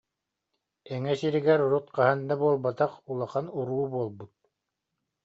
Эҥэ сиригэр урут хаһан да буолбатах улахан уруу буолбут